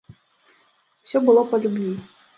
Усё было па любві.